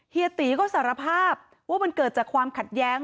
เฮีตีก็สารภาพว่ามันเกิดจากความขัดแย้ง